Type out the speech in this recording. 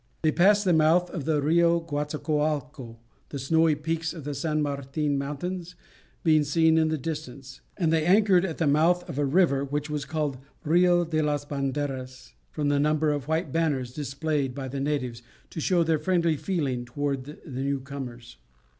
They passed the mouth of the Rio Guatzacoalco, the snowy peaks of the San Martin mountains being seen in the distance, and they anchored at the mouth of a river which was called Rio de las Banderas, from the number of white banners displayed by the natives to show their friendly feeling towards the new comers.